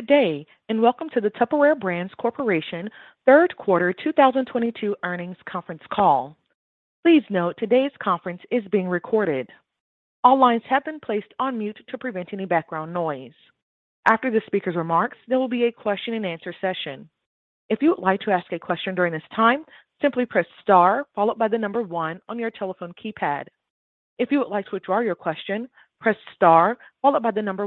Good day, and welcome to the Tupperware Brands Corporation third quarter 2022 earnings conference call. Please note today's conference is being recorded. All lines have been placed on mute to prevent any background noise. After the speaker's remarks, there will be a question-and-answer session. If you would like to ask a question during this time, simply press star followed by the number one on your telephone keypad. If you would like to withdraw your question, press star followed by the number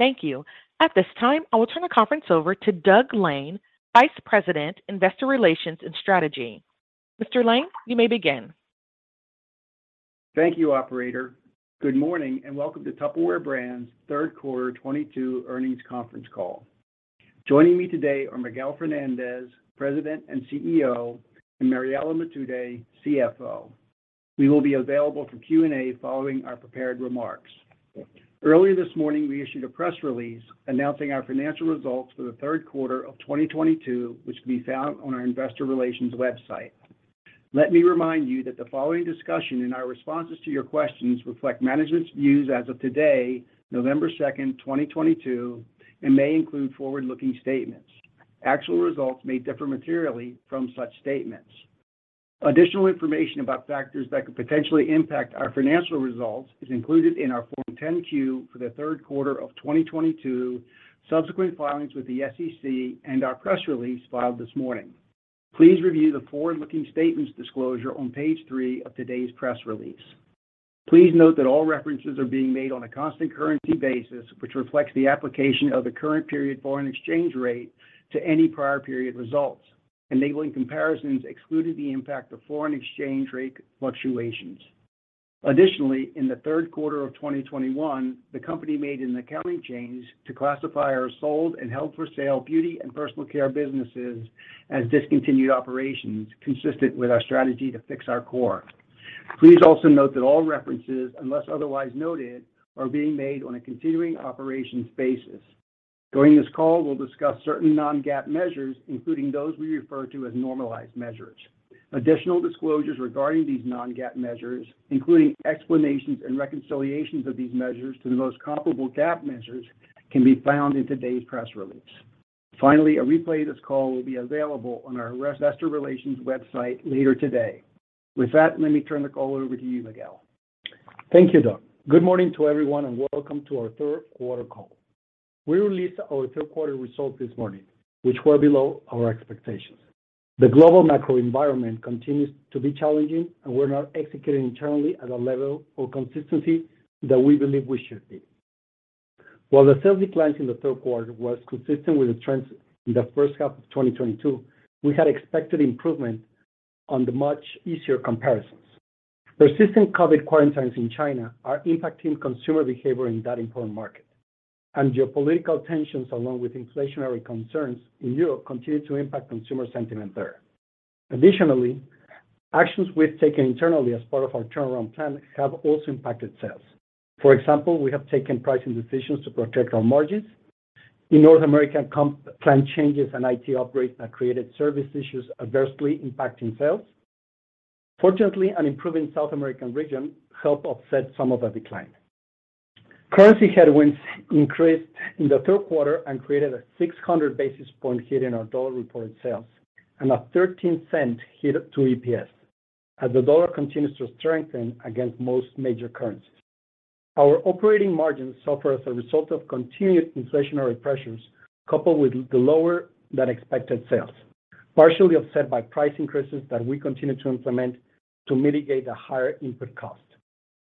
one again. Thank you. At this time, I will turn the conference over to Doug Lane, Vice President, Investor Relations and Strategy. Mr. Lane, you may begin. Thank you, operator. Good morning, and welcome to Tupperware Brands third quarter 2022 earnings conference call. Joining me today are Miguel Fernandez, President and CEO, and Mariela Matute, CFO. We will be available for Q&A following our prepared remarks. Earlier this morning, we issued a press release announcing our financial results for the third quarter of 2022, which can be found on our investor relations website. Let me remind you that the following discussion and our responses to your questions reflect management's views as of today, November 2nd, 2022, and may include forward-looking statements. Actual results may differ materially from such statements. Additional information about factors that could potentially impact our financial results is included in our Form 10-Q for the third quarter of 2022, subsequent filings with the SEC, and our press release filed this morning. Please review the forward-looking statements disclosure on page three of today's press release. Please note that all references are being made on a constant currency basis, which reflects the application of the current period foreign exchange rate to any prior period results, enabling comparisons excluding the impact of foreign exchange rate fluctuations. Additionally, in the third quarter of 2021, the company made an accounting change to classify our sold and held for sale beauty and personal care businesses as discontinued operations, consistent with our strategy to fix our core. Please also note that all references, unless otherwise noted, are being made on a continuing operations basis. During this call, we'll discuss certain non-GAAP measures, including those we refer to as normalized measures. Additional disclosures regarding these non-GAAP measures, including explanations and reconciliations of these measures to the most comparable GAAP measures, can be found in today's press release. Finally, a replay of this call will be available on our investor relations website later today. With that, let me turn the call over to you, Miguel. Thank you, Doug. Good morning to everyone, and welcome to our third quarter call. We released our third quarter results this morning, which were below our expectations. The global macro environment continues to be challenging, and we're not executing internally at a level or consistency that we believe we should be. While the sales declines in the third quarter was consistent with the trends in the first half of 2022, we had expected improvement on the much easier comparisons. Persistent COVID quarantines in China are impacting consumer behavior in that important market, and geopolitical tensions along with inflationary concerns in Europe continue to impact consumer sentiment there. Additionally, actions we've taken internally as part of our turnaround plan have also impacted sales. For example, we have taken pricing decisions to protect our margins. In North America, comp plan changes and IT upgrades have created service issues adversely impacting sales. Fortunately, an improving South American region helped offset some of the decline. Currency headwinds increased in the third quarter and created a 600 basis point hit in our dollar-reported sales and a $0.13 hit to EPS as the dollar continues to strengthen against most major currencies. Our operating margins suffer as a result of continued inflationary pressures, coupled with the lower than expected sales, partially offset by price increases that we continue to implement to mitigate the higher input cost.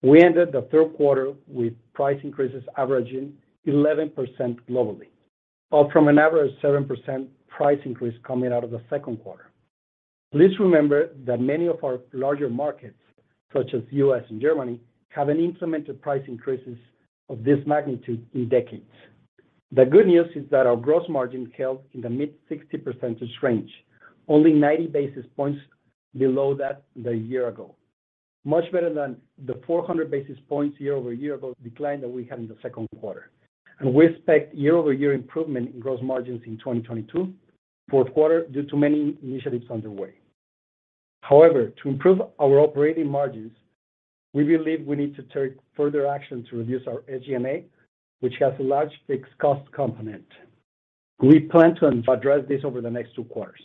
We ended the third quarter with price increases averaging 11% globally, up from an average 7% price increase coming out of the second quarter. Please remember that many of our larger markets, such as U.S. and Germany, haven't implemented price increases of this magnitude in decades. The good news is that our gross margin held in the mid-60% range, only 90 basis points below that a year ago. Much better than the 400 basis points year-over-year decline that we had in the second quarter. We expect year-over-year improvement in gross margins in 2022 fourth quarter due to many initiatives underway. However, to improve our operating margins, we believe we need to take further action to reduce our SG&A, which has a large fixed cost component. We plan to address this over the next two quarters.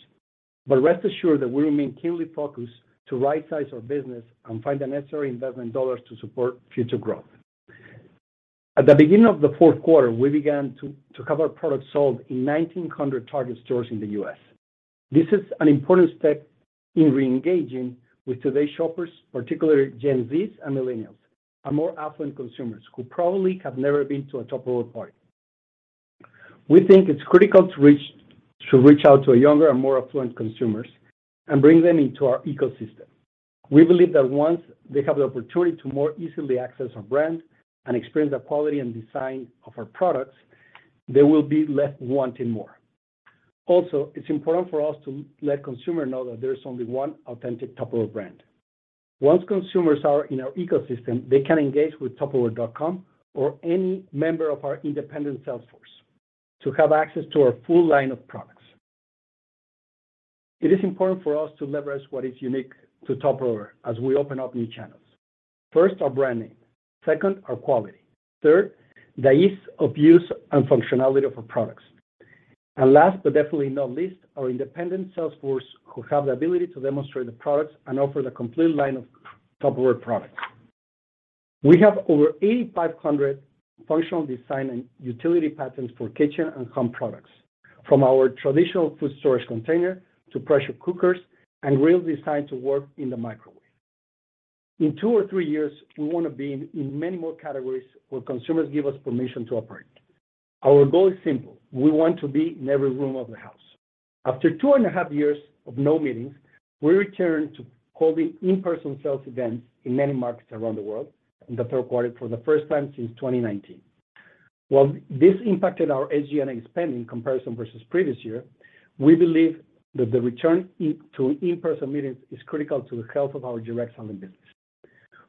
Rest assured that we remain keenly focused to rightsize our business and find the necessary investment dollars to support future growth. At the beginning of the fourth quarter, we began to have our products sold in 1,900 Target stores in the U.S. This is an important step in re-engaging with today's shoppers, particularly Gen Z and millennials, our more affluent consumers who probably have never been to a Tupperware party. We think it's critical to reach out to younger and more affluent consumers and bring them into our ecosystem. We believe that once they have the opportunity to more easily access our brand and experience the quality and design of our products, they will be left wanting more. Also, it's important for us to let consumers know that there is only one authentic Tupperware brand. Once consumers are in our ecosystem, they can engage with tupperware.com or any member of our independent sales force to have access to our full line of products. It is important for us to leverage what is unique to Tupperware as we open up new channels. First, our brand name. Second, our quality. Third, the ease of use and functionality of our products. Last, but definitely not least, our independent sales force who have the ability to demonstrate the products and offer the complete line of Tupperware products. We have over 8,500 functional design and utility patents for kitchen and home products, from our traditional food storage container to pressure cookers and grills designed to work in the microwave. In two or three years, we want to be in many more categories where consumers give us permission to operate. Our goal is simple. We want to be in every room of the house. After two and a half years of no meetings, we returned to holding in-person sales events in many markets around the world in the third quarter for the first time since 2019. While this impacted our SG&A spending comparison versus previous year, we believe that the return to in-person meetings is critical to the health of our direct selling business.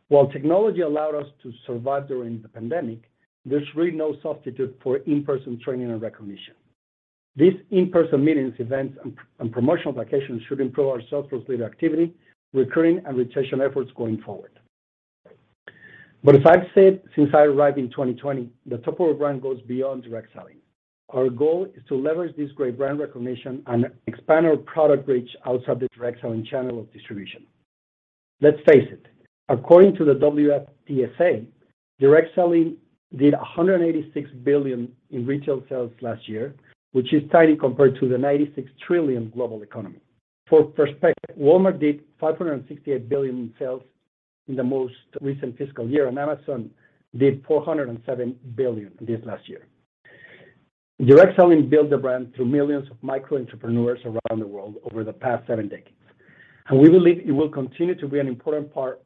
While technology allowed us to survive during the pandemic, there's really no substitute for in-person training and recognition. These in-person meetings, events, and promotional vacations should improve our sales force lead activity, recruiting, and retention efforts going forward. As I've said since I arrived in 2020, the Tupperware brand goes beyond direct selling. Our goal is to leverage this great brand recognition and expand our product reach outside the direct selling channel of distribution. Let's face it, according to the WFDSA, direct selling did $186 billion in retail sales last year, which is tiny compared to the $96 trillion global economy. For perspective, Walmart did $568 billion in sales in the most recent fiscal year, and Amazon did $407 billion this last year. Direct selling built the brand through millions of micro-entrepreneurs around the world over the past seven decades, and we believe it will continue to be an important part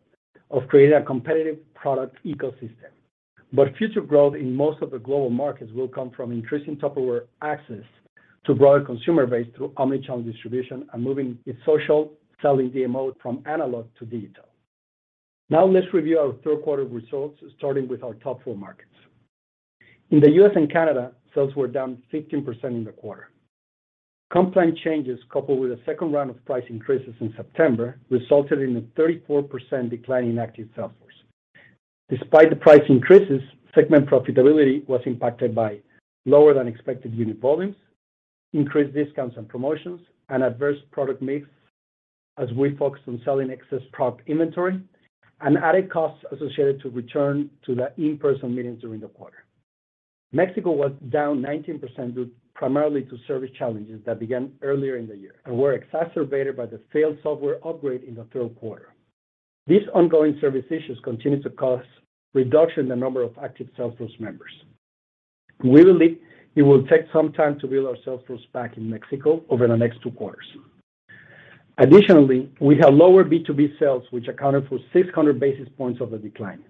of creating a competitive product ecosystem. Future growth in most of the global markets will come from increasing Tupperware access to broader consumer base through omni-channel distribution and moving its social selling DMO from analog to digital. Now let's review our third quarter results, starting with our top four markets. In the U.S. and Canada, sales were down 15% in the quarter. Comp plan changes, coupled with a second round of price increases in September, resulted in a 34% decline in active sales force. Despite the price increases, segment profitability was impacted by lower than expected unit volumes, increased discounts and promotions, and adverse product mix as we focused on selling excess product inventory and added costs associated to return to the in-person meetings during the quarter. Mexico was down 19% due primarily to service challenges that began earlier in the year and were exacerbated by the failed software upgrade in the third quarter. These ongoing service issues continue to cause reduction in the number of active sales force members. We believe it will take some time to build our sales force back in Mexico over the next two quarters. Additionally, we have lower B2B sales, which accounted for 600 basis points of the decline.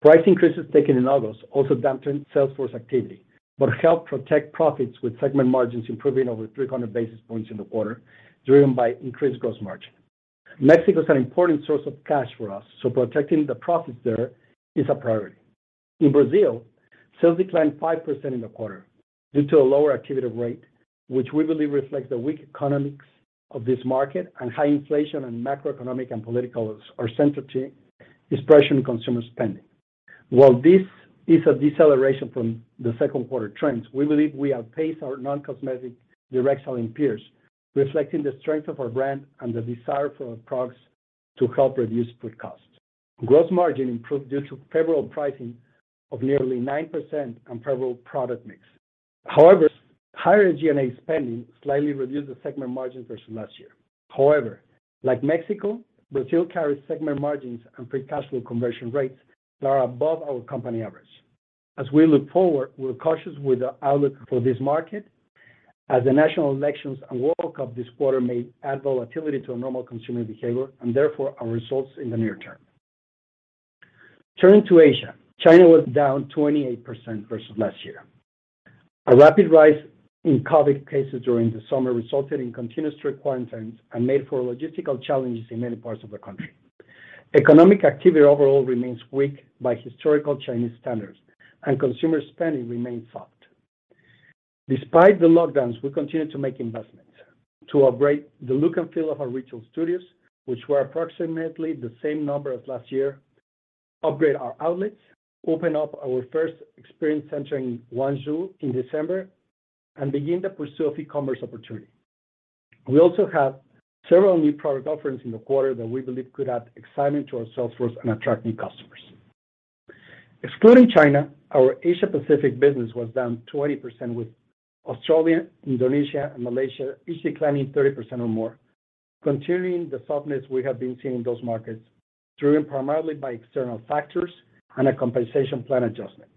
Price increases taken in August also dampened sales force activity, but helped protect profits with segment margins improving over 300 basis points in the quarter, driven by increased gross margin. Mexico is an important source of cash for us, so protecting the profits there is a priority. In Brazil, sales declined 5% in the quarter due to a lower activity rate, which we believe reflects the weak economics of this market and high inflation and macroeconomic and political uncertainty is pressuring consumer spending. While this is a deceleration from the second quarter trends, we believe we outpace our non-cosmetic direct selling peers, reflecting the strength of our brand and the desire for our products to help reduce food costs. Gross margin improved due to favorable pricing of nearly 9% and favorable product mix. However, higher SG&A spending slightly reduced the segment margin versus last year. However, like Mexico, Brazil carries segment margins and free cash flow conversion rates that are above our company average. As we look forward, we're cautious with the outlook for this market, as the national elections and World Cup this quarter may add volatility to a normal consumer behavior and therefore our results in the near term. Turning to Asia, China was down 28% versus last year. A rapid rise in COVID cases during the summer resulted in continuous strict quarantines and made for logistical challenges in many parts of the country. Economic activity overall remains weak by historical Chinese standards, and consumer spending remains soft. Despite the lockdowns, we continue to make investments to upgrade the look and feel of our retail studios, which were approximately the same number as last year, upgrade our outlets, open up our first experience center in Guangzhou in December, and begin the pursuit of e-commerce opportunity. We also have several new product offerings in the quarter that we believe could add excitement to our sales force and attract new customers. Excluding China, our Asia Pacific business was down 20%, with Australia, Indonesia, and Malaysia each declining 30% or more, continuing the softness we have been seeing in those markets, driven primarily by external factors and a compensation plan adjustment.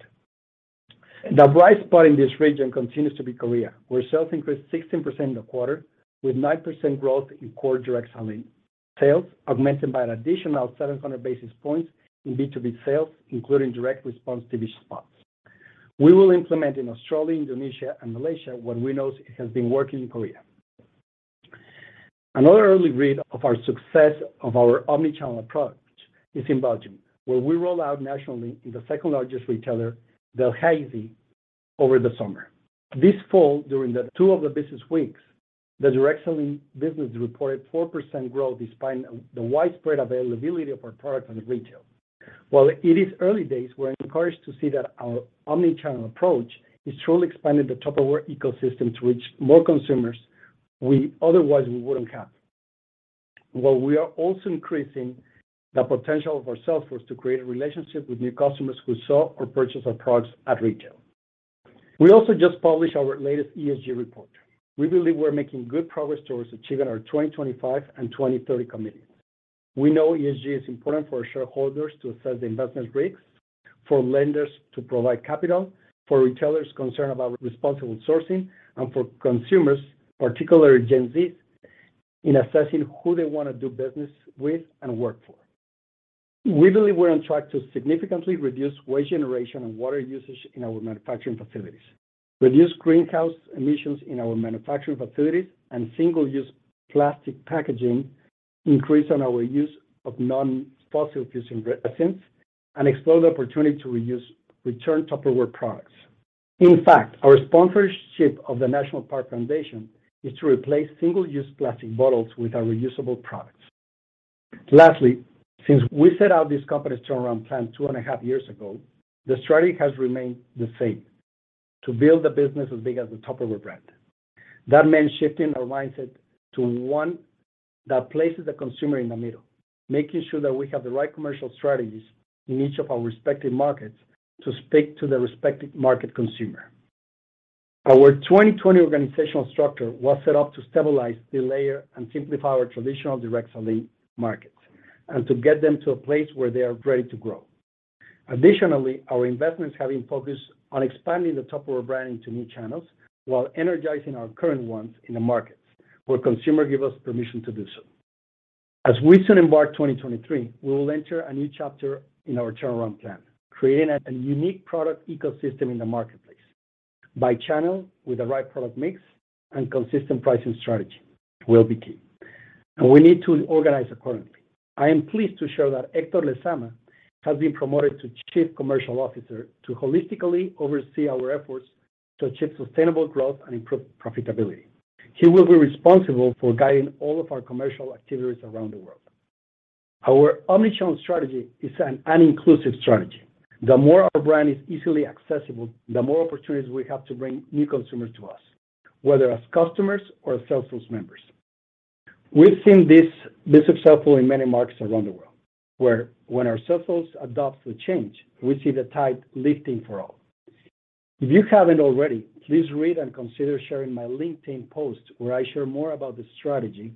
The bright spot in this region continues to be Korea, where sales increased 16% in the quarter, with 9% growth in core direct selling. Sales augmented by an additional 700 basis points in B2B sales, including direct response TV spots. We will implement in Australia, Indonesia, and Malaysia what we know has been working in Korea. Another early read of our success of our omni-channel approach is in Belgium, where we roll out nationally in the second-largest retailer, Delhaize over the summer. This fall, during two of the busiest weeks, the direct selling business reported 4% growth despite the widespread availability of our products in retail. While it is early days, we're encouraged to see that our omni-channel approach is truly expanding the Tupperware ecosystem to reach more consumers we otherwise wouldn't have. While we are also increasing the potential of our sales force to create a relationship with new customers who saw or purchase our products at retail. We also just published our latest ESG report. We believe we're making good progress towards achieving our 2025 and 2030 commitments. We know ESG is important for our shareholders to assess the investment risks, for lenders to provide capital, for retailers concerned about responsible sourcing, and for consumers, particularly Gen Z, in assessing who they wanna do business with and work for. We believe we're on track to significantly reduce waste generation and water usage in our manufacturing facilities, reduce greenhouse emissions in our manufacturing facilities and single-use plastic packaging, increase in our use of non-fossil fuels and resins, and explore the opportunity to reuse returned Tupperware products. In fact, our sponsorship of the National Park Foundation is to replace single-use plastic bottles with our reusable products. Lastly, since we set out this company's turnaround plan two and a half years ago, the strategy has remained the same, to build the business as big as the Tupperware brand. That meant shifting our mindset to one that places the consumer in the middle, making sure that we have the right commercial strategies in each of our respective markets to speak to the respective market consumer. Our 2020 organizational structure was set up to stabilize, delayer, and simplify our traditional direct selling markets, and to get them to a place where they are ready to grow. Additionally, our investments have been focused on expanding the Tupperware brand into new channels while energizing our current ones in the markets where consumers give us permission to do so. As we soon embark 2023, we will enter a new chapter in our turnaround plan, creating a unique product ecosystem in the marketplace. By channel, with the right product mix and consistent pricing strategy will be key. We need to organize accordingly. I am pleased to share that Hector Lezama has been promoted to Chief Commercial Officer to holistically oversee our efforts to achieve sustainable growth and improve profitability. He will be responsible for guiding all of our commercial activities around the world. Our omni-channel strategy is an inclusive strategy. The more our brand is easily accessible, the more opportunities we have to bring new consumers to us, whether as customers or as sales force members. We've seen this successful in many markets around the world, where when our sales force adopts the change, we see the tide lifting for all. If you haven't already, please read and consider sharing my LinkedIn post where I share more about the strategy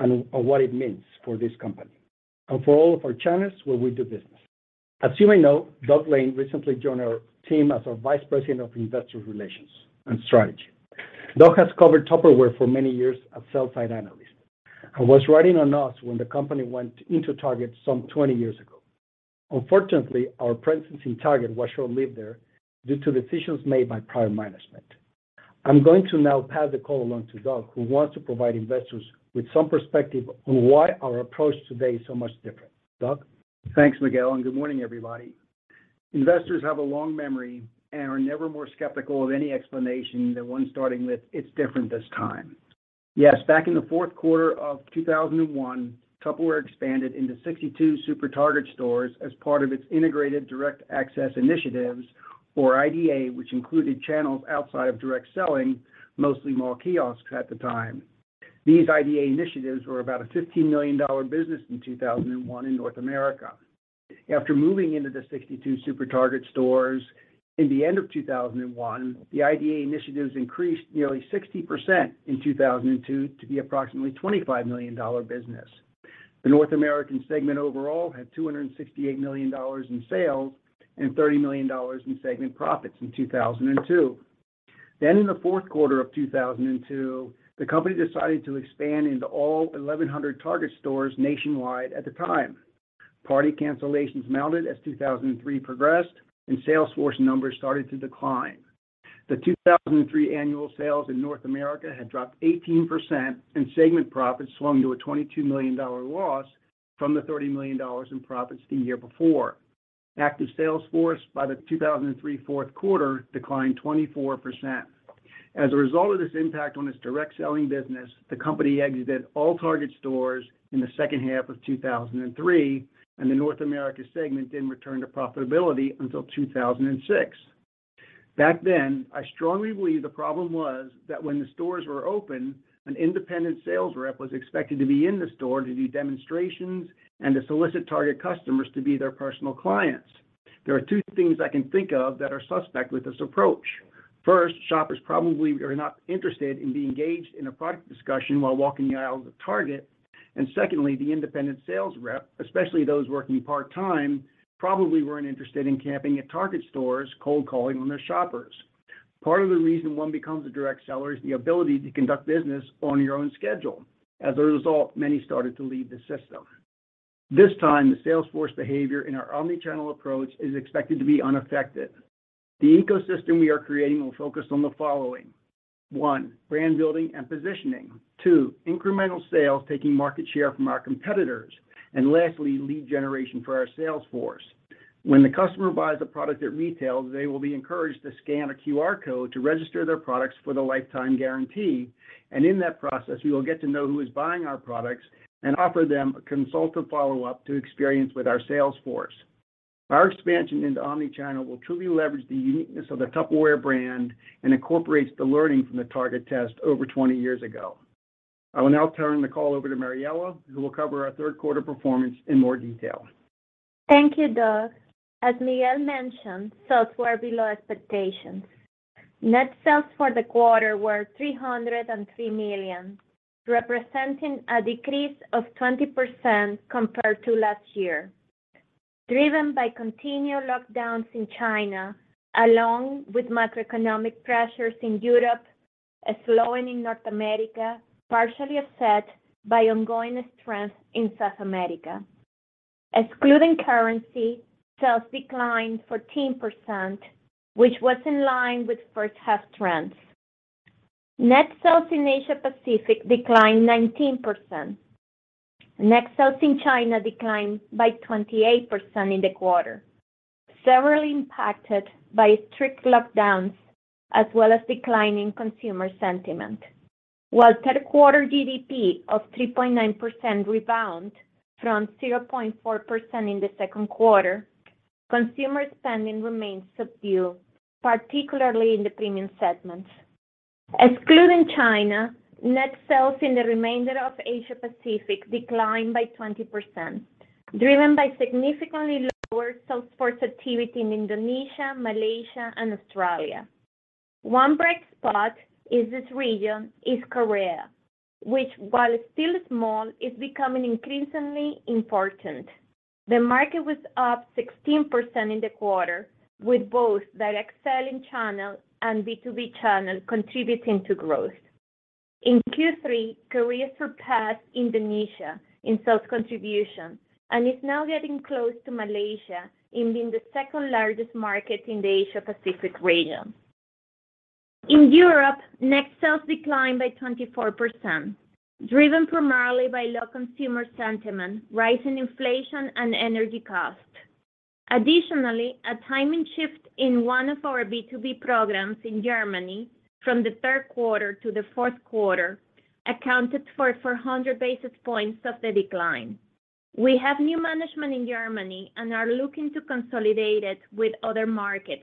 and what it means for this company and for all of our channels where we do business. As you may know, Doug Lane recently joined our team as our Vice President of Investor Relations and Strategy. Doug has covered Tupperware for many years as sell-side analyst and was writing on us when the company went into Target some 20 years ago. Unfortunately, our presence in Target was short-lived there due to decisions made by prior management. I'm going to now pass the call along to Doug, who wants to provide investors with some perspective on why our approach today is so much different. Doug? Thanks, Miguel, and good morning, everybody. Investors have a long memory and are never more skeptical of any explanation than one starting with, "It's different this time." Yes, back in the fourth quarter of 2001, Tupperware expanded into 62 SuperTarget stores as part of its integrated direct access initiatives, or IDA, which included channels outside of direct selling, mostly mall kiosks at the time. These IDA initiatives were about a $15 million business in 2001 in North America. After moving into the 62 SuperTarget stores in the end of 2001, the IDA initiatives increased nearly 60% in 2002 to be approximately $25 million business. The North American segment overall had $268 million in sales and $30 million in segment profits in 2002. In the fourth quarter of 2002, the company decided to expand into all 1,100 Target stores nationwide at the time. Party cancellations mounted as 2003 progressed, and sales force numbers started to decline. The 2003 annual sales in North America had dropped 18%, and segment profits swung to a $22 million loss from the $30 million in profits the year before. Active sales force by the 2003 fourth quarter declined 24%. As a result of this impact on its direct selling business, the company exited all Target stores in the second half of 2003, and the North America segment didn't return to profitability until 2006. Back then, I strongly believe the problem was that when the stores were open, an independent sales rep was expected to be in the store to do demonstrations and to solicit Target customers to be their personal clients. There are two things I can think of that are suspect with this approach. First, shoppers probably are not interested in being engaged in a product discussion while walking the aisles of Target. Secondly, the independent sales rep, especially those working part-time, probably weren't interested in camping at Target stores, cold calling on their shoppers. Part of the reason one becomes a direct seller is the ability to conduct business on your own schedule. As a result, many started to leave the system. This time, the sales force behavior in our omni-channel approach is expected to be unaffected. The ecosystem we are creating will focus on the following. One, brand building and positioning. Two, incremental sales, taking market share from our competitors. Lastly, lead generation for our sales force. When the customer buys a product at retail, they will be encouraged to scan a QR code to register their products for the lifetime guarantee. In that process, we will get to know who is buying our products and offer them a consult and follow-up to experience with our sales force. Our expansion into omni-channel will truly leverage the uniqueness of the Tupperware brand and incorporates the learning from the Target test over 20 years ago. I will now turn the call over to Mariela, who will cover our third quarter performance in more detail. Thank you, Doug. As Miguel mentioned, sales were below expectations. Net sales for the quarter were $303 million, representing a decrease of 20% compared to last year, driven by continued lockdowns in China, along with macroeconomic pressures in Europe, a slowing in North America, partially offset by ongoing strength in South America. Excluding currency, sales declined 14%, which was in line with first half trends. Net sales in Asia Pacific declined 19%. Net sales in China declined by 28% in the quarter, severely impacted by strict lockdowns as well as declining consumer sentiment. While third quarter GDP of 3.9% rebound from 0.4% in the second quarter, consumer spending remains subdued, particularly in the premium segment. Excluding China, net sales in the remainder of Asia Pacific declined by 20%, driven by significantly lower sales force activity in Indonesia, Malaysia, and Australia. One bright spot in this region is Korea, which while still small, is becoming increasingly important. The market was up 16% in the quarter, with both direct selling channel and B2B channel contributing to growth. In Q3, Korea surpassed Indonesia in sales contribution and is now getting close to Malaysia in being the second-largest market in the Asia Pacific region. In Europe, net sales declined by 24%, driven primarily by low consumer sentiment, rising inflation and energy cost. Additionally, a timing shift in one of our B2B programs in Germany from the third quarter to the fourth quarter accounted for 400 basis points of the decline. We have new management in Germany and are looking to consolidate it with other markets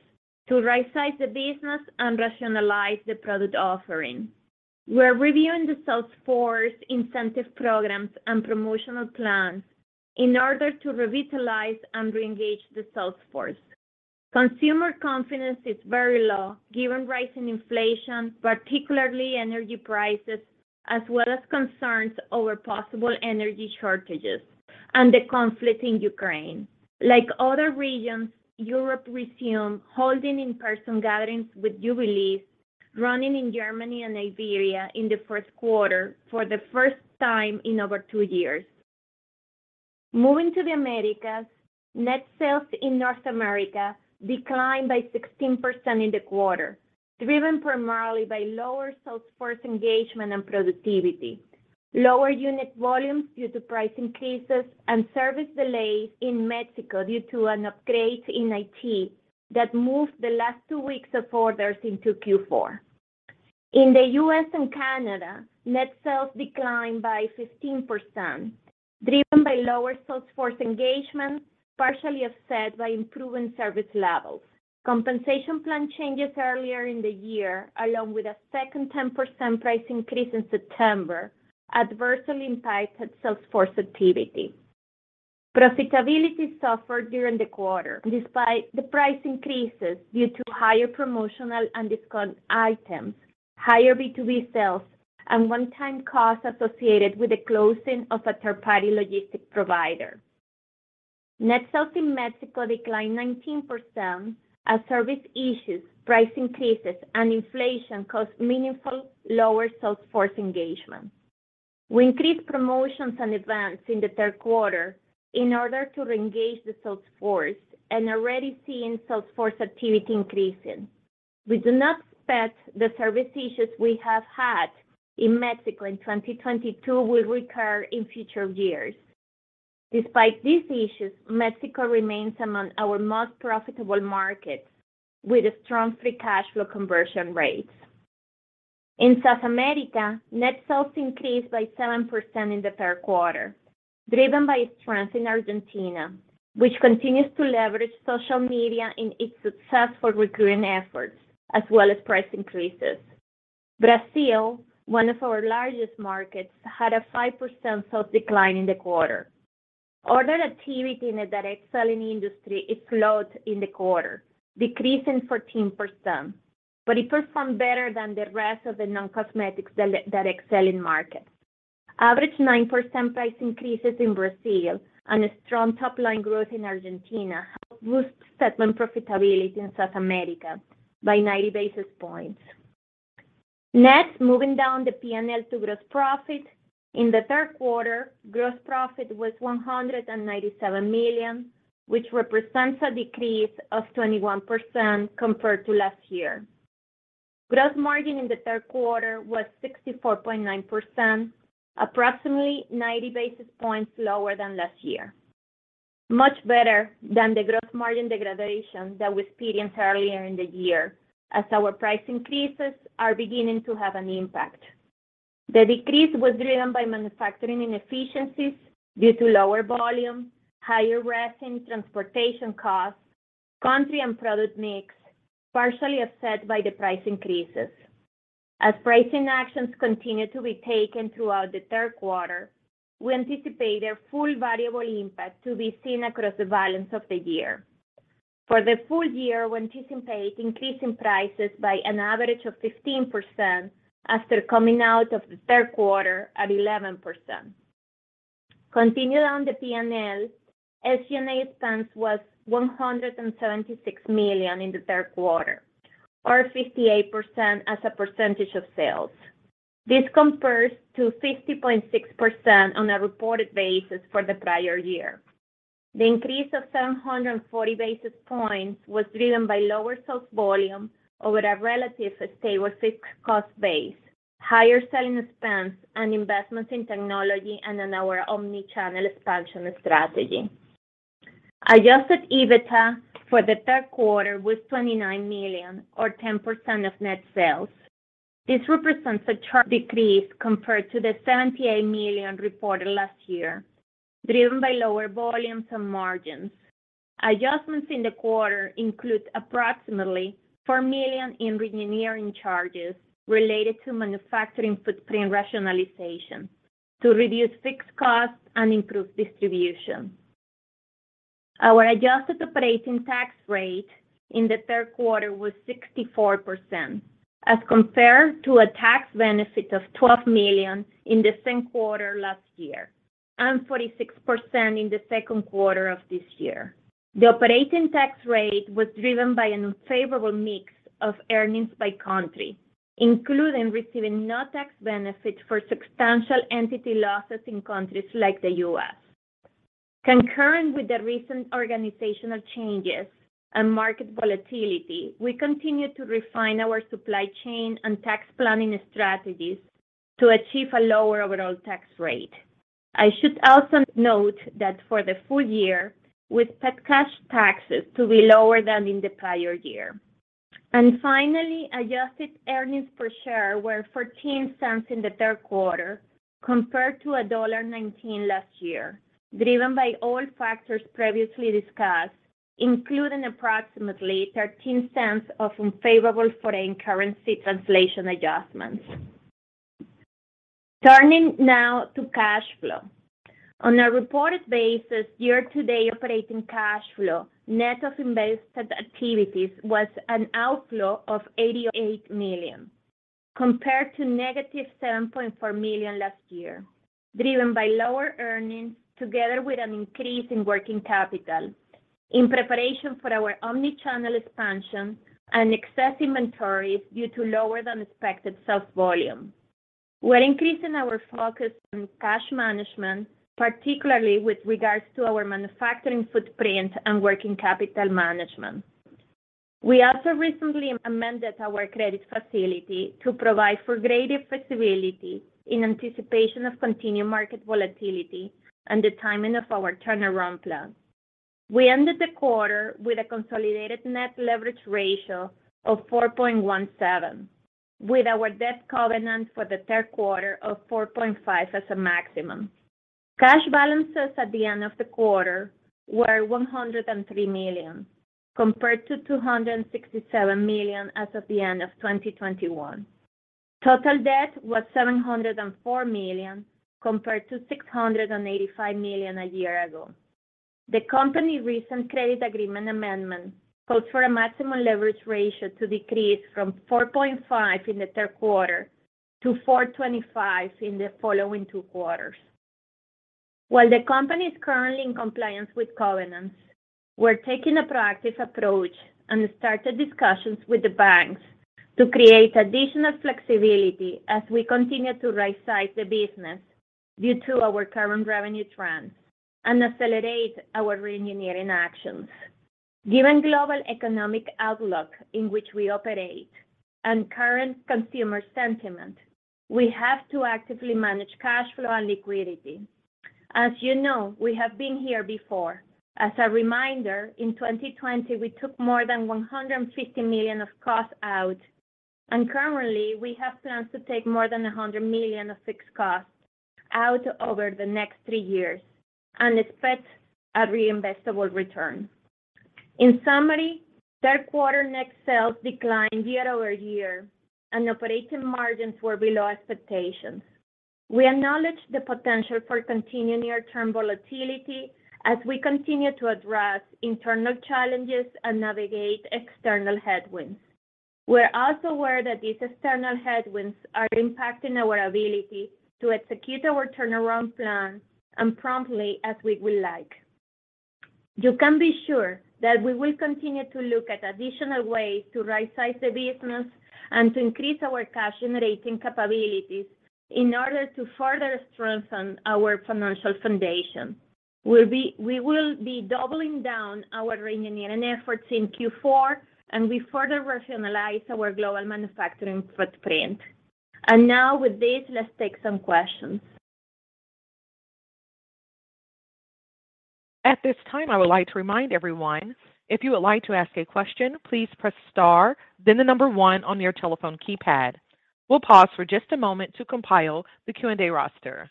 to rightsize the business and rationalize the product offering. We're reviewing the sales force incentive programs and promotional plans in order to revitalize and reengage the sales force. Consumer confidence is very low given rising inflation, particularly energy prices, as well as concerns over possible energy shortages and the conflict in Ukraine. Like other regions, Europe resumed holding in-person gatherings with Jubilee, running in Germany and Iberia in the first quarter for the first time in over two years. Moving to the Americas, net sales in North America declined by 16% in the quarter, driven primarily by lower sales force engagement and productivity, lower unit volumes due to price increases, and service delays in Mexico due to an upgrade in IT that moved the last two weeks of orders into Q4. In the U.S. and Canada, net sales declined by 15%, driven by lower sales force engagement, partially offset by improving service levels. Compensation plan changes earlier in the year, along with a second 10% price increase in September, adversely impacted sales force activity. Profitability suffered during the quarter, despite the price increases due to higher promotional and discount items, higher B2B sales, and one-time costs associated with the closing of a third-party logistics provider. Net sales in Mexico declined 19% as service issues, price increases, and inflation caused meaningful lower sales force engagement. We increased promotions and events in the third quarter in order to reengage the sales force and are already seeing sales force activity increasing. We do not expect the service issues we have had in Mexico in 2022 will recur in future years. Despite these issues, Mexico remains among our most profitable markets, with a strong free cash flow conversion rate. In South America, net sales increased by 7% in the third quarter, driven by strength in Argentina, which continues to leverage social media in its successful recruiting efforts as well as price increases. Brazil, one of our largest markets, had a 5% sales decline in the quarter. Order activity in the direct selling industry slowed in the quarter, decreasing 14%, but it performed better than the rest of the non-cosmetics direct selling markets. Average 9% price increases in Brazil and a strong top-line growth in Argentina helped boost segment profitability in South America by 90 basis points. Next, moving down the P&L to gross profit. In the third quarter, gross profit was $197 million, which represents a decrease of 21% compared to last year. Gross margin in the third quarter was 64.9%, approximately 90 basis points lower than last year. Much better than the gross margin degradation that we experienced earlier in the year, as our price increases are beginning to have an impact. The decrease was driven by manufacturing inefficiencies due to lower volume, higher resin transportation costs, country and product mix, partially offset by the price increases. As pricing actions continue to be taken throughout the third quarter, we anticipate their full variable impact to be seen across the balance of the year. For the full year, we anticipate increase in prices by an average of 15% after coming out of the third quarter at 11%. Continue on the P&L. SG&A expense was $176 million in the third quarter or 58% as a percentage of sales. This compares to 50.6% on a reported basis for the prior year. The increase of 740 basis points was driven by lower sales volume over a relatively stable fixed cost base, higher selling expense and investments in technology and in our omni-channel expansion strategy. Adjusted EBITDA for the third quarter was $29 million or 10% of net sales. This represents a sharp decrease compared to the $78 million reported last year, driven by lower volumes and margins. Adjustments in the quarter include approximately $4 million in reengineering charges related to manufacturing footprint rationalization to reduce fixed costs and improve distribution. Our adjusted operating tax rate in the third quarter was 64% as compared to a tax benefit of $12 million in the same quarter last year, and 46% in the second quarter of this year. The operating tax rate was driven by an unfavorable mix of earnings by country, including receiving no tax benefit for substantial entity losses in countries like the U.S. Concurrent with the recent organizational changes and market volatility, we continue to refine our supply chain and tax planning strategies to achieve a lower overall tax rate. I should also note that for the full year, we expect cash taxes to be lower than in the prior year. Finally, adjusted earnings per share were $0.14 in the third quarter compared to $1.19 last year, driven by all factors previously discussed, including approximately $0.13 of unfavorable foreign currency translation adjustments. Turning now to cash flow. On a reported basis, year-to-date operating cash flow, net of investing activities, was an outflow of $88 million, compared to -$7.4 million last year, driven by lower earnings together with an increase in working capital in preparation for our omni-channel expansion and excess inventories due to lower than expected sales volume. We're increasing our focus on cash management, particularly with regards to our manufacturing footprint and working capital management. We also recently amended our credit facility to provide for greater flexibility in anticipation of continued market volatility and the timing of our turnaround plan. We ended the quarter with a consolidated net leverage ratio of 4.17x, with our debt covenant for the third quarter of 4.5x as a maximum. Cash balances at the end of the quarter were $103 million, compared to $267 million as of the end of 2021. Total debt was $704 million, compared to $685 million a year ago. The company's recent credit agreement amendment calls for a maximum leverage ratio to decrease from 4.5x in the third quarter to 4.25x in the following two quarters. While the company is currently in compliance with covenants, we're taking a proactive approach and started discussions with the banks to create additional flexibility as we continue to rightsize the business due to our current revenue trends and accelerate our reengineering actions. Given global economic outlook in which we operate and current consumer sentiment, we have to actively manage cash flow and liquidity. As you know, we have been here before. As a reminder, in 2020, we took more than $150 million of costs out, and currently, we have plans to take more than $100 million of fixed costs out over the next three years and expect a reinvestable return. In summary, third quarter net sales declined year-over-year and operating margins were below expectations. We acknowledge the potential for continued near-term volatility as we continue to address internal challenges and navigate external headwinds. We're also aware that these external headwinds are impacting our ability to execute our turnaround plan and promptly as we would like. You can be sure that we will continue to look at additional ways to rightsize the business and to increase our cash-generating capabilities in order to further strengthen our financial foundation. We will be doubling down our re-engineering efforts in Q4 and we further rationalize our global manufacturing footprint. Now with this, let's take some questions. At this time, I would like to remind everyone, if you would like to ask a question, please press star then the number one on your telephone keypad. We'll pause for just a moment to compile the Q&A roster.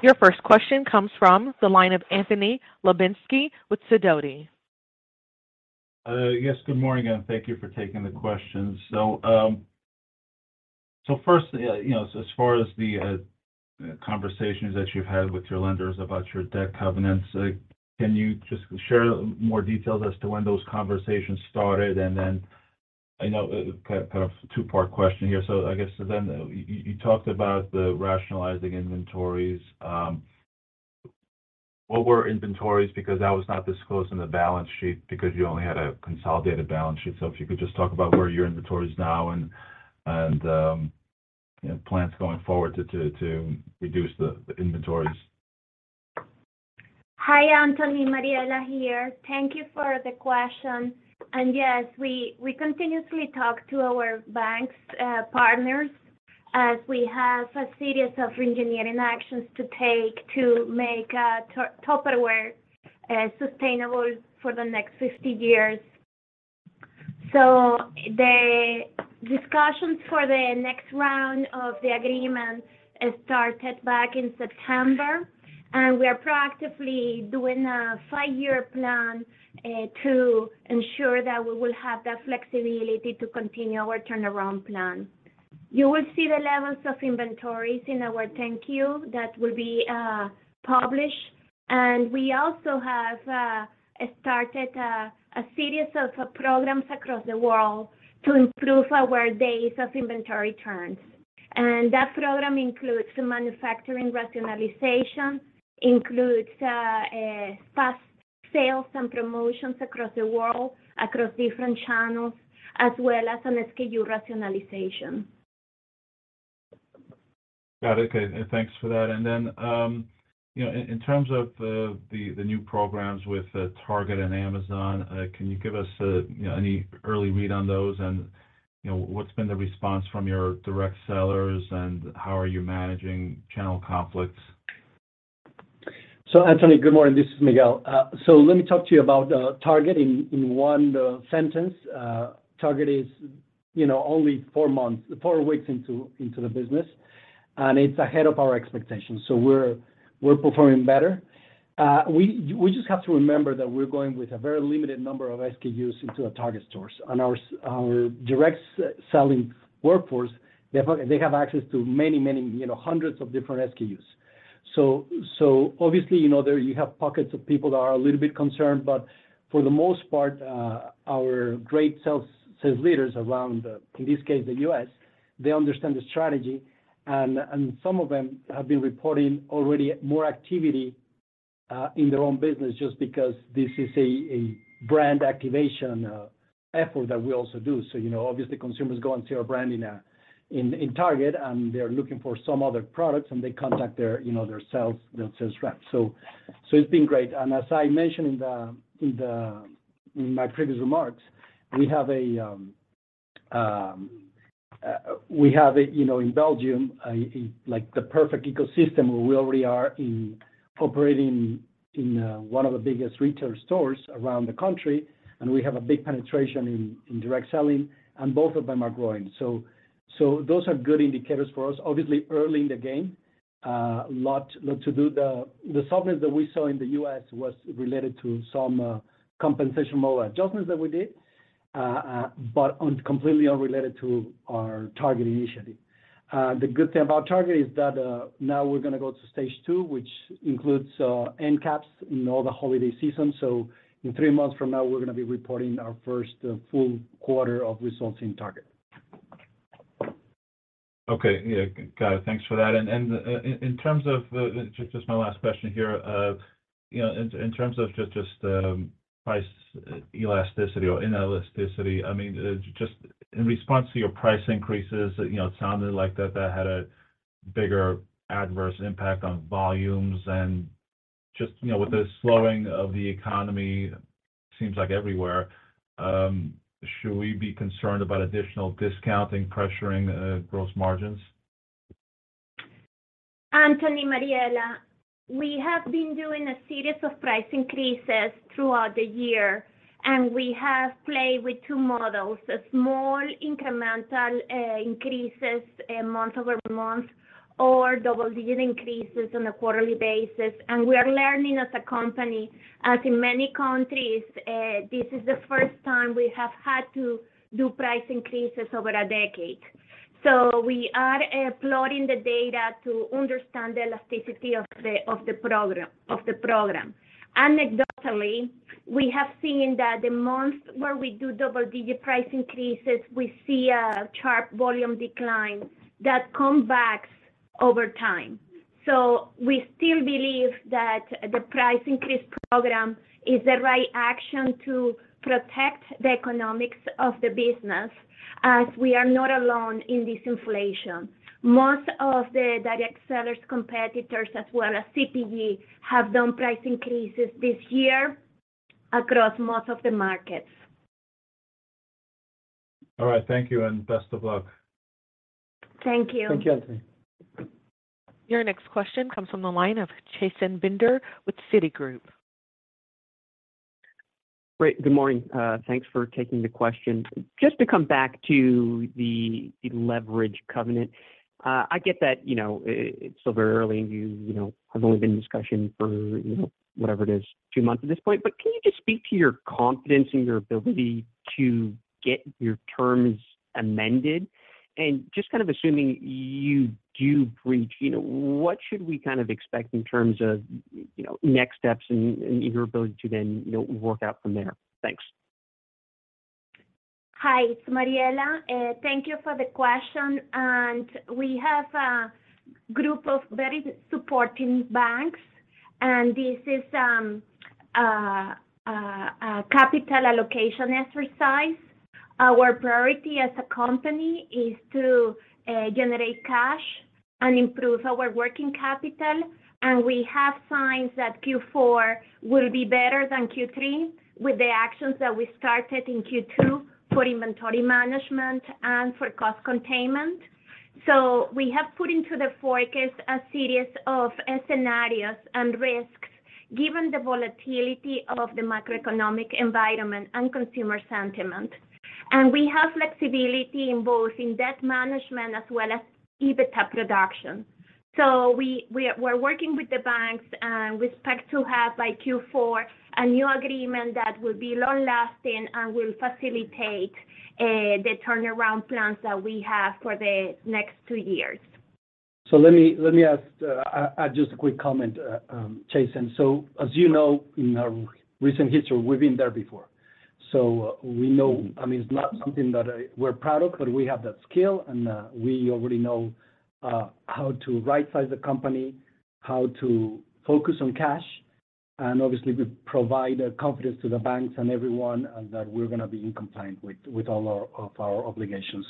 Your first question comes from the line of Anthony Lebiedzinski with Sidoti. Yes, good morning, and thank you for taking the questions. First, you know, as far as the conversations that you've had with your lenders about your debt covenants, like, can you just share more details as to when those conversations started? I know kind of two-part question here. I guess you talked about the rationalizing inventories. What were inventories because that was not disclosed in the balance sheet because you only had a consolidated balance sheet. If you could just talk about where your inventory is now and you know, plans going forward to reduce the inventories. Hi, Anthony, Mariela here. Thank you for the question. Yes, we continuously talk to our banks and partners as we have a series of reengineering actions to take to make Tupperware sustainable for the next 50 years. The discussions for the next round of the agreement started back in September, and we are proactively doing a five-year plan to ensure that we will have the flexibility to continue our turnaround plan. You will see the levels of inventories in our 10-Q that will be published. We also have started a series of programs across the world to improve our days of inventory turns. That program includes the manufacturing rationalization, fast sales and promotions across the world, across different channels, as well as an SKU rationalization. Got it. Okay. Thanks for that. You know, in terms of the new programs with Target and Amazon, can you give us you know, any early read on those? You know, what's been the response from your direct sellers, and how are you managing channel conflicts? Anthony, good morning, this is Miguel. Let me talk to you about Target in one sentence. Target is, you know, only four weeks into the business, and it's ahead of our expectations. We're performing better. We just have to remember that we're going with a very limited number of SKUs into Target stores. Our direct selling workforce, they have access to many, you know, hundreds of different SKUs. Obviously, you know, there you have pockets of people that are a little bit concerned, but for the most part, our great sales leaders around, in this case, the U.S., they understand the strategy. Some of them have been reporting already more activity in their own business just because this is a brand activation effort that we also do. You know, obviously consumers go and see our brand in Target, and they're looking for some other products, and they contact their sales rep. It's been great. As I mentioned in my previous remarks, we have, you know, in Belgium, like the perfect ecosystem where we already are operating in one of the biggest retail stores around the country, and we have a big penetration in direct selling, and both of them are growing. Those are good indicators for us. Obviously, early in the game, a lot to do. The softness that we saw in the U.S. was related to some compensation model adjustments that we did, but completely unrelated to our Target initiative. The good thing about Target is that now we're gonna go to stage two, which includes end caps in all the holiday season. In three months from now, we're gonna be reporting our first full quarter of results in Target. Okay. Yeah, got it. Thanks for that. In terms of just my last question here, you know, in terms of just price elasticity or inelasticity, I mean, just in response to your price increases, you know, it sounded like that had a bigger adverse impact on volumes. Just, you know, with the slowing of the economy seems like everywhere, should we be concerned about additional discounting pressuring gross margins? Anthony, it's Mariela. We have been doing a series of price increases throughout the year, and we have played with two models: a small incremental increases, month-over-month or double-digit increases on a quarterly basis. We are learning as a company, as in many countries, this is the first time we have had to do price increases over a decade. We are plotting the data to understand the elasticity of the program. Anecdotally, we have seen that the months where we do double-digit price increases, we see a sharp volume decline that comes back over time. We still believe that the price increase program is the right action to protect the economics of the business, as we are not alone in this inflation. Most of the direct sellers, competitors as well as CPG, have done price increases this year across most of the markets. All right. Thank you, and best of luck. Thank you. Thank you, Anthony. Your next question comes from the line of Chasen Bender with Citigroup. Great. Good morning. Thanks for taking the question. Just to come back to the leverage covenant. I get that, you know, it's still very early and you know have only been in discussion for, you know, whatever it is, two months at this point. But can you just speak to your confidence in your ability to get your terms amended? Just kind of assuming you do breach, you know, what should we kind of expect in terms of, you know, next steps and your ability to then, you know, work out from there? Thanks. Hi, it's Mariela. Thank you for the question. We have a group of very supporting banks, and this is a capital allocation exercise. Our priority as a company is to generate cash and improve our working capital, and we have signs that Q4 will be better than Q3 with the actions that we started in Q2 for inventory management and for cost containment. We have put into the forecast a series of scenarios and risks given the volatility of the macroeconomic environment and consumer sentiment. We have flexibility in both debt management as well as EBITDA reduction. We're working with the banks, and we expect to have by Q4 a new agreement that will be long-lasting and will facilitate the turnaround plans that we have for the next two years. Let me just make a quick comment, Chasen. As you know, in our recent history, we've been there before. We know. I mean, it's not something that we're proud of, but we have that skill and we already know how to right-size the company, how to focus on cash, and obviously we provide confidence to the banks and everyone that we're going to be compliant with all our obligations.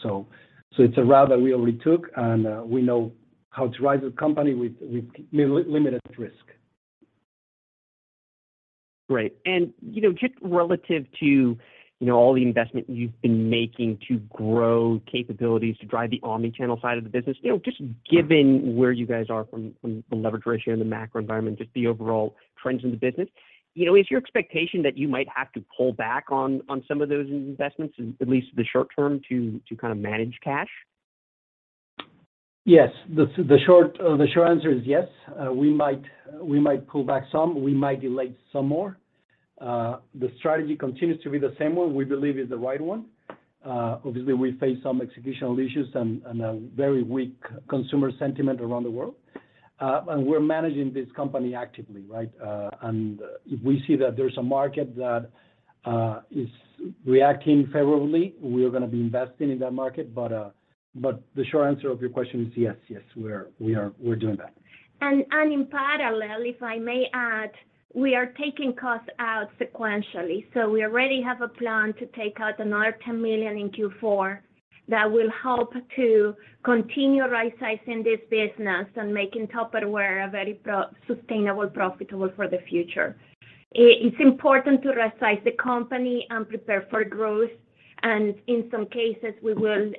It's a route that we already took, and we know how to right-size the company with limited risk. Great. You know, just relative to, you know, all the investment you've been making to grow capabilities to drive the omni-channel side of the business, you know, just given where you guys are from the leverage ratio and the macro environment, just the overall trends in the business, you know, is your expectation that you might have to pull back on some of those investments in at least the short term to kind of manage cash? Yes. The short answer is yes. We might pull back some, we might delay some more. The strategy continues to be the same one we believe is the right one. Obviously we face some executional issues and a very weak consumer sentiment around the world. We're managing this company actively, right? If we see that there's a market that is reacting favorably, we are gonna be investing in that market. The short answer of your question is yes. Yes, we are doing that. In parallel, if I may add, we are taking costs out sequentially. We already have a plan to take out another $10 million in Q4 that will help to continue rightsizing this business and making Tupperware a very profitable and sustainable for the future. It is important to resize the company and prepare for growth, and in some cases we will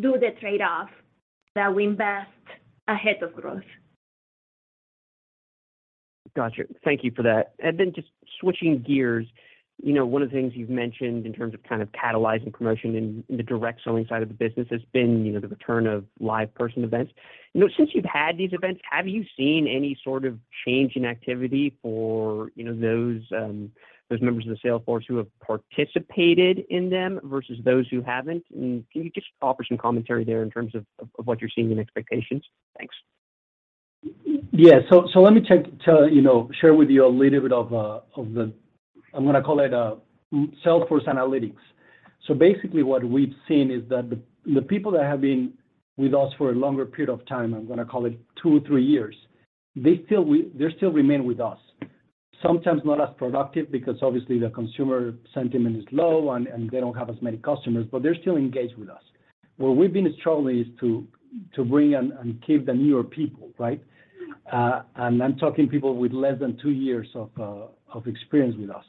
do the trade-off that we invest ahead of growth. Gotcha. Thank you for that. Then just switching gears, you know, one of the things you've mentioned in terms of kind of catalyzing promotion in the direct selling side of the business has been, you know, the return of live person events. You know, since you've had these events, have you seen any sort of change in activity for, you know, those members of the sales force who have participated in them versus those who haven't? Then can you just offer some commentary there in terms of what you're seeing in expectations? Thanks. Yes. Let me tell you know share with you a little bit of the I'm gonna call it sales force analytics. Basically what we've seen is that the people that have been with us for a longer period of time, I'm gonna call it two, three years, they still remain with us. Sometimes not as productive because obviously the consumer sentiment is low and they don't have as many customers, but they're still engaged with us. Where we've been struggling is to bring on and keep the newer people, right? And I'm talking people with less than two years of experience with us.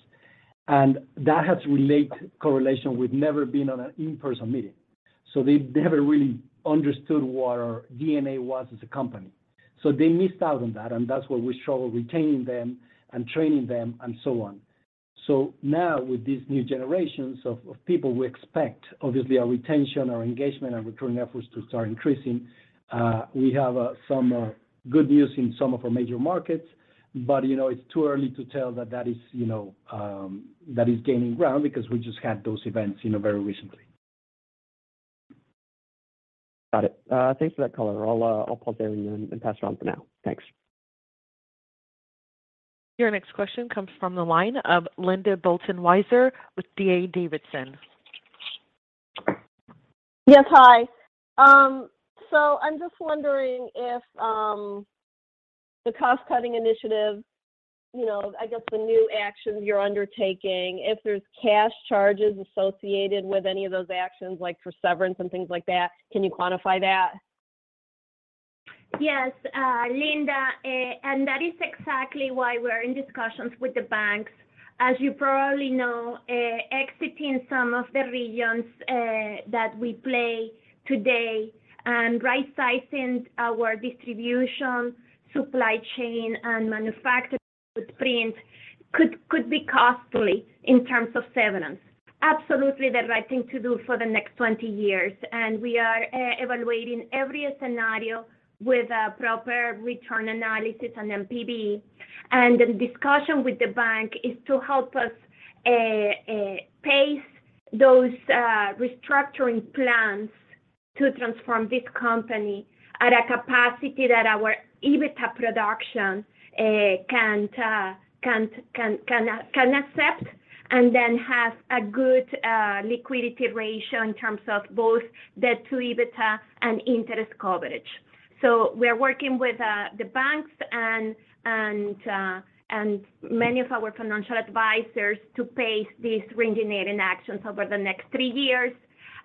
And that has a direct correlation with never been on an in-person meeting. They never really understood what our DNA was as a company. They missed out on that, and that's where we struggle retaining them and training them and so on. Now with these new generations of people, we expect obviously our retention, our engagement, and returning efforts to start increasing. We have some good news in some of our major markets, but you know, it's too early to tell that is gaining ground because we just had those events, you know, very recently. Got it. Thanks for that color. I'll pause there and then pass around for now. Thanks. Your next question comes from the line of Linda Bolton Weiser with D.A. Davidson. Yes. Hi. I'm just wondering if the cost-cutting initiative, you know, I guess the new actions you're undertaking, if there's cash charges associated with any of those actions, like for severance and things like that, can you quantify that? Yes, Linda, that is exactly why we're in discussions with the banks. As you probably know, exiting some of the regions that we play today and right-sizing our distribution, supply chain, and manufacturing footprint could be costly in terms of severance. Absolutely the right thing to do for the next 20 years, and we are evaluating every scenario with a proper return analysis on NPV. The discussion with the bank is to help us pace those restructuring plans to transform this company at a capacity that our EBITDA production can accept and then have a good liquidity ratio in terms of both debt to EBITDA and interest coverage. We are working with the banks and many of our financial advisors to pace these reengineering actions over the next three years.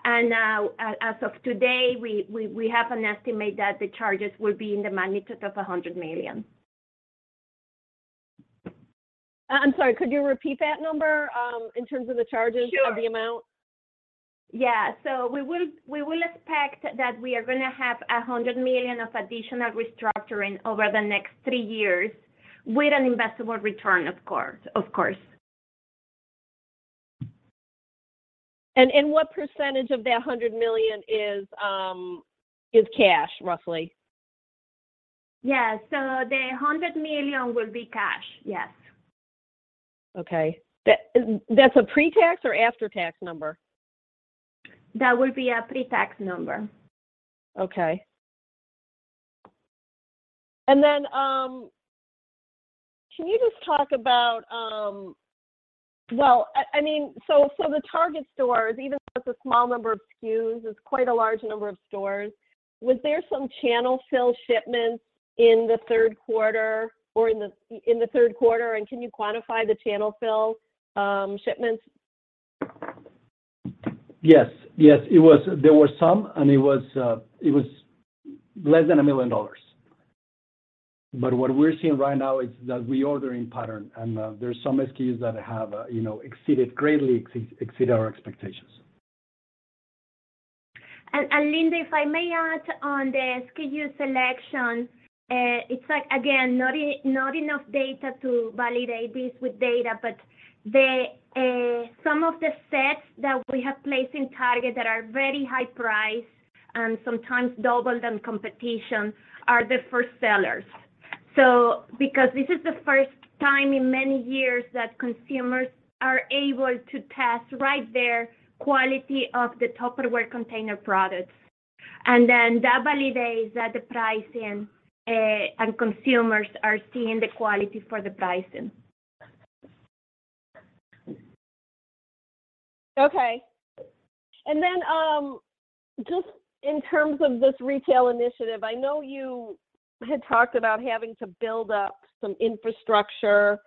As of today, we have an estimate that the charges will be in the magnitude of $100 million. I'm sorry, could you repeat that number in terms of the charges— Sure. Of the amount? We will expect that we are gonna have $100 million of additional restructuring over the next three years with an investable return of course, of course. What percentage of that $100 million is cash, roughly? Yeah. The $100 million will be cash, yes. Okay. That, that's a pre-tax or after-tax number? That would be a pre-tax number. Can you just talk about... Well, I mean, so the Target stores, even with the small number of SKUs, is quite a large number of stores. Was there some channel fill shipments in the third quarter or in the third quarter, and can you quantify the channel fill shipments? Yes. Yes, it was. There were some, and it was less than $1 million. What we're seeing right now is that reordering pattern, and there's some SKUs that have, you know, exceeded greatly our expectations. Linda, if I may add on the SKU selection, it's like, again, not enough data to validate this with data, but some of the sets that we have placed in Target that are very high priced, sometimes double the competition, are the first sellers. Because this is the first time in many years that consumers are able to test right there quality of the Tupperware container products. That validates that the pricing, and consumers are seeing the quality for the pricing. Just in terms of this retail initiative, I know you had talked about having to build up some infrastructure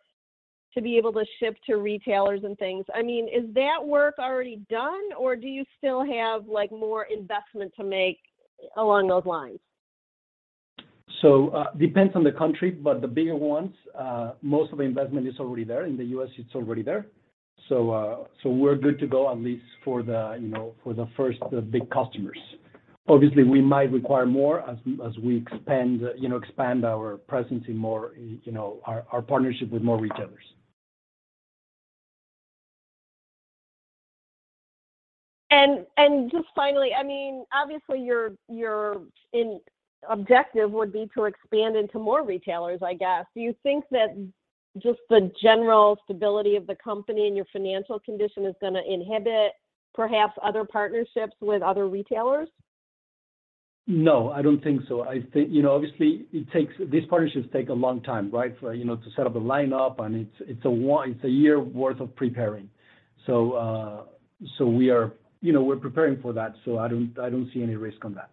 to be able to ship to retailers and things. I mean, is that work already done, or do you still have, like, more investment to make along those lines? Depends on the country, but the bigger ones, most of the investment is already there. In the U.S., it's already there. We're good to go, at least for the, you know, for the first, the big customers. Obviously, we might require more as we expand, you know, our presence in more, you know, our partnership with more retailers. Just finally, I mean, obviously your objective would be to expand into more retailers, I guess. Do you think that just the general stability of the company and your financial condition is gonna inhibit perhaps other partnerships with other retailers? No, I don't think so. I think you know, obviously these partnerships take a long time, right? For you know, to set up a lineup, and it's a year worth of preparing. We are you know, we're preparing for that, so I don't see any risk on that.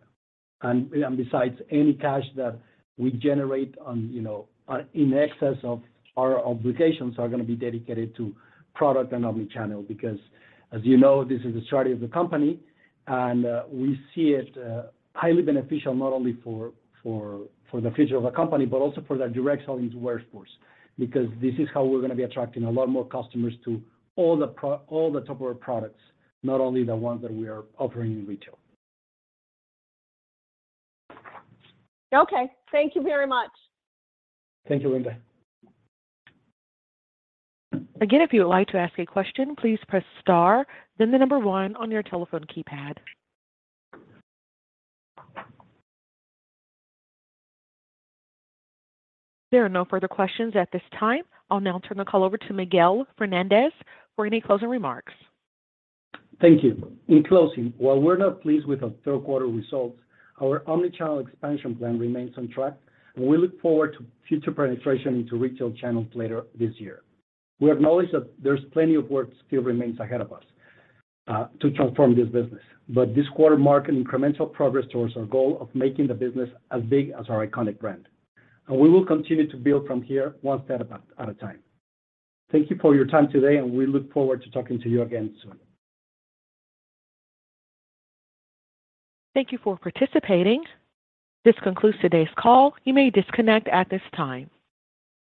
Besides, any cash that we generate you know, in excess of our obligations are gonna be dedicated to product and omni-channel because, as you know, this is the strategy of the company and we see it highly beneficial not only for the future of the company but also for the direct selling workforce. Because this is how we're gonna be attracting a lot more customers to all the Tupperware products, not only the ones that we are offering in retail. Okay. Thank you very much. Thank you, Linda. Again, if you would like to ask a question, please press star then the number one on your telephone keypad. There are no further questions at this time. I'll now turn the call over to Miguel Fernandez for any closing remarks. Thank you. In closing, while we're not pleased with our third quarter results, our omni-channel expansion plan remains on track, and we look forward to future penetration into retail channels later this year. We acknowledge that there's plenty of work still remains ahead of us to transform this business. This quarter marked an incremental progress towards our goal of making the business as big as our iconic brand. We will continue to build from here one step at a time. Thank you for your time today, and we look forward to talking to you again soon. Thank you for participating. This concludes today's call. You may disconnect at this time.